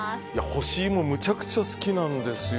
干し芋めちゃくちゃ好きなんです。